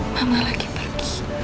mama lagi pergi